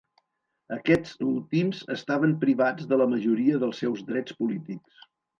Aquests últims estaven privats de la majoria dels seus drets polítics.